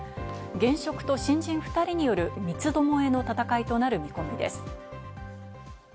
現職と新人２人による三つ巴の戦いとなる見込みです。